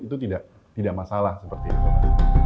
itu tidak masalah seperti itu